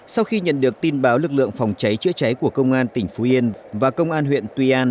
sau khi nhận được tin báo lực lượng phòng cháy chữa cháy của công an tỉnh phú yên và công an huyện tuy an